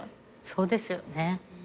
そうですよね。